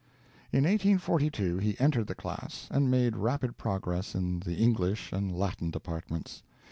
In 1842 he entered the class, and made rapid progress in the English and Latin departments.